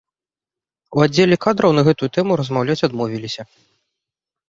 У аддзеле кадраў на гэтую тэму размаўляць адмовіліся.